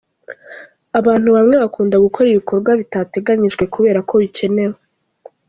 Abantu bamwe bakunda gukora ibikorwa bitateganyijwe kubera ko bikenewe.